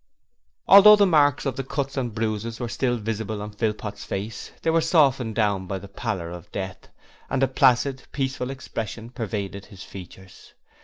Although the marks of the cuts and bruises were still visible on Philpot's face, they were softened down by the pallor of death, and a placid, peaceful expression pervaded his features.